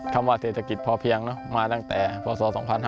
คำว่าเศรษฐกิจพอเพียงมาตั้งแต่พศ๒๕๕๙